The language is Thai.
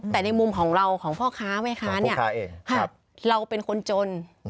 แต่ในมุมของเราของพ่อค้าแม่ค้าเนี่ยเราเป็นคนจน